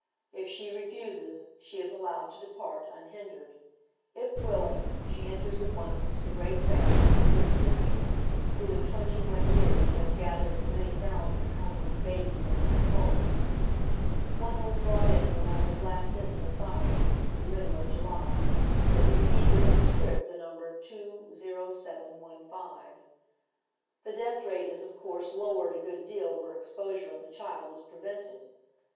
If she refuses, she is allowed to depart unhhidered. If willing, she enters at once into the great family of the good Sister who in twenty one years has gathered as many thousand homeless babies into her fold. One was brought oy Google 190 HOW THE OTHEIi HALF LIVEti. in wlieu I was last in the asvlum, in tlie middle of Julj , tliat received in its erib the number 20715. The death rate is of course lowered a good deal where exposm^e of the child is prevented.